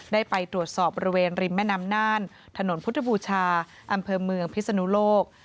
ได้ไปตรวจสอบบริเวณริมแม่น้ำน่านถนนพุทธบูชาอำเภอเมืองพิศนุโลก